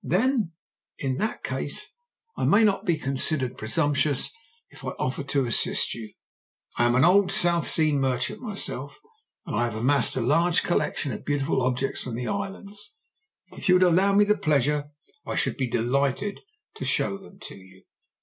"'Then, in that case, I may not be considered presumptuous if I offer to assist you. I am an old South Sea merchant myself, and I have amassed a large collection of beautiful objects from the islands. If you would allow me the pleasure I should be delighted to show them to you.'